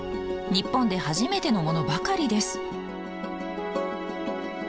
日本で初めてのものばかりです。